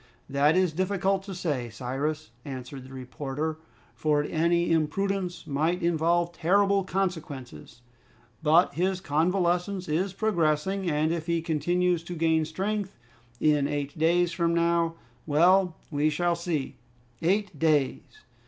"That is difficult to say, Cyrus," answered the reporter, "for any imprudence might involve terrible consequences. But his convalescence is progressing, and if he continues to gain strength, in eight days from now well, we shall see." Eight days!